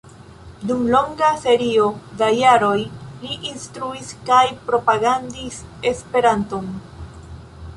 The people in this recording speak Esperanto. Dum longa serio da jaroj li instruis kaj propagandis Esperanton.